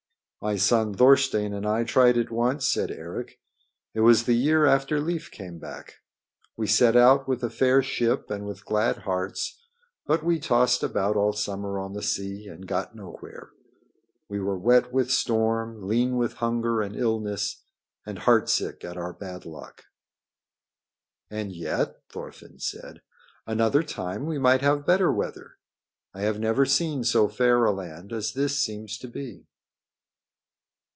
"My son Thorstein and I tried it once," said Eric. "It was the year after Leif came back. We set out with a fair ship and with glad hearts, but we tossed about all summer on the sea and got nowhere. We were wet with storm, lean with hunger and illness, and heartsick at our bad luck." "And yet," Thorfinn said, "another time we might have better weather. I have never seen so fair a land as this seems to be."